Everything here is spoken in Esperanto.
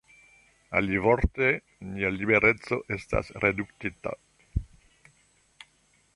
Alivorte, nia libereco estas reduktita.